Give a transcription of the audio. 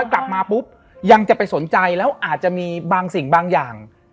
กลับมาปุ๊บยังจะไปสนใจแล้วอาจจะมีบางสิ่งบางอย่าง